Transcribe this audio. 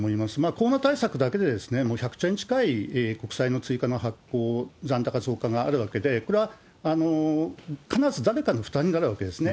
コロナ対策だけでもう１００兆円近い国債の発行残高増加があるわけで、これは必ず誰かの負担になるわけですね。